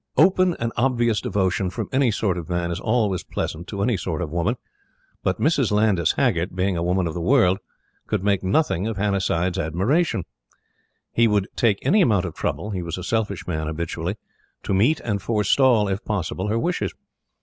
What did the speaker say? Open and obvious devotion from any sort of man is always pleasant to any sort of woman; but Mrs. Landys Haggert, being a woman of the world, could make nothing of Hannasyde's admiration. He would take any amount of trouble he was a selfish man habitually to meet and forestall, if possible, her wishes.